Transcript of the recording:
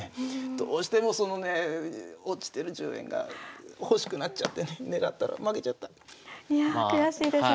どうしてもそのね落ちてる１０円が欲しくなっちゃってね狙ったら負けちゃった。